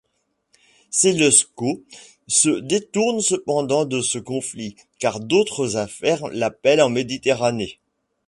Séleucos se détourne cependant de ce conflit car d’autres affaires l’appellent en Méditerranée.